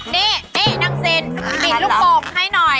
นี่นี่นางเซนนี่ลูกป๋องให้นอน